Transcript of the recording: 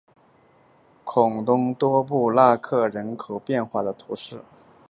孔东多布拉克人口变化图示